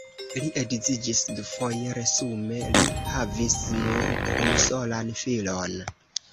Li edziĝis dufoje, resume li havis nur unusolan filon.